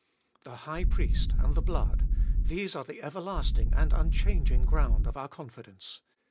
The High Priest and the blood — these are the everlasting and un changing ground of our confidence.